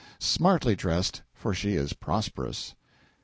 Smartly dressed, for she is prosperous.